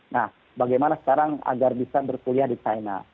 nah bagaimana sekarang agar bisa berkuliah di china